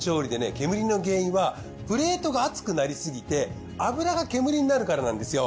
煙の原因はプレートが熱くなりすぎて脂が煙になるからなんですよ。